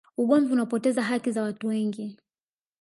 ugomvi unapoteza haki za watu wengi